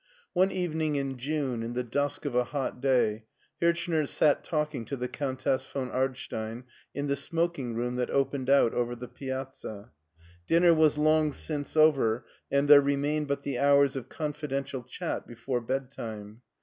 One evening in June, in the dusk of a hot day, Hirchner sat talking to the Countess von Ardstein in the smoking room that opened out upon the piazza. Dinner was long since over, and there remained but the hours of confidential chat before bed time.